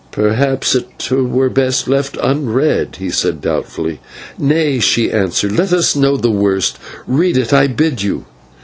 "Perhaps it were best left unread," he said, doubtfully. "Nay," she answered, "let us know the worst. Read it, I bid you."